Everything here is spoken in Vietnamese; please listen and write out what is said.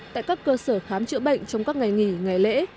tại các cơ sở khám chữa bệnh trong các ngày nghỉ ngày lễ